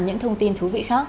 những thông tin thú vị khác